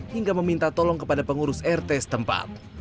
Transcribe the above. hingga meminta tolong kepada pengurus rt setempat